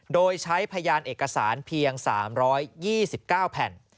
โดยใช้พยานเอกสารเพียง๓๒๙แผ่น